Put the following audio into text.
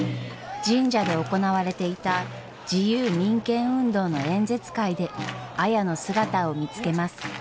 神社で行われていた自由民権運動の演説会で綾の姿を見つけます。